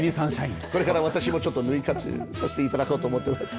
これから私もぬい活させていただこうと思っています。